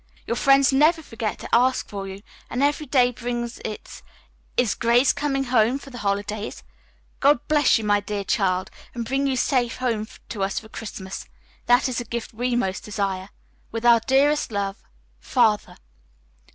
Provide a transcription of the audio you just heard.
Your friends never forget to ask for you, and every day brings its, 'Is Grace coming home for the holidays?' God bless you, my dear child, and bring you safe home to us for Christmas. That is the gift we most desire. With our dearest love, "FATHER."